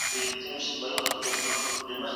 د علم رڼا هر ډول تیاره ورکوي.